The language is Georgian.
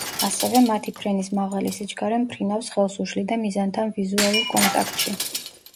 ასევე, მათი ფრენის მაღალი სიჩქარე მფრინავს ხელს უშლიდა მიზანთან ვიზუალურ კონტაქტში.